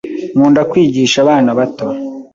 Nkunda kwigisha abana bato.